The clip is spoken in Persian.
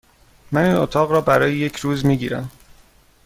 من این اتاق را برای یک روز می گیرم.